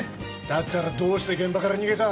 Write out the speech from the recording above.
だったらどうして現場から逃げた？